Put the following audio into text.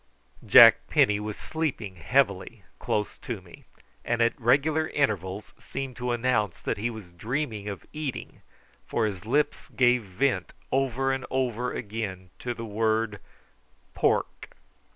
Jack Penny was sleeping heavily close to me, and at regular intervals seeming to announce that he was dreaming of eating, for his lips gave vent over and over again to the word pork!